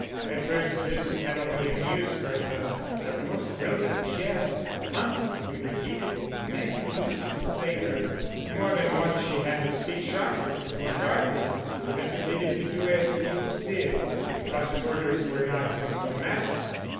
At first this had only amused Bertha, but the most brilliant jest, constantly repeated, may lose its savour. More than once she had to speak sharply to a gardener who hesitated to do as he was bid, because his orders were not from the master.